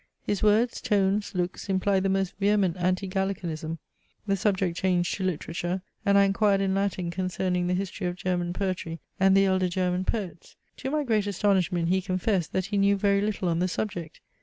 His words, tones, looks, implied the most vehement Anti Gallicanism. The subject changed to literature, and I inquired in Latin concerning the history of German poetry and the elder German poets. To my great astonishment he confessed, that he knew very little on the subject.